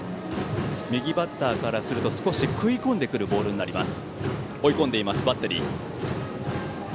右バッターからすると少し食い込んでくるボールになります。